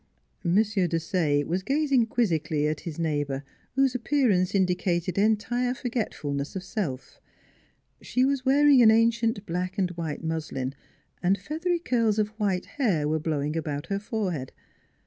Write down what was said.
' M. Desaye was gazing quizzically at his neighbor, whose appearance indicated entire for getfulness of self. She was wearing an ancient black and white muslin, and feathery curls of white hair were blowing about her forehead.